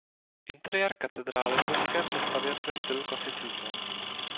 Interiér katedrály byl také přestavěn ve stylu klasicismu.